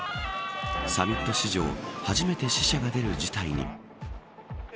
サミット史上初めて死者が出る事態に。